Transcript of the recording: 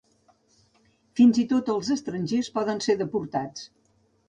Fins i tot els estrangers poden ser deportats.